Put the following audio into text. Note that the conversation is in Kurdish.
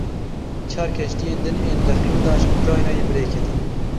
Çar keştiyên din ên dexlûdan ji Ukraynayê bi rê ketin.